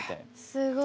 すごい！